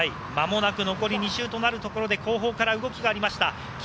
残り２周となるところで後方から動きがありました。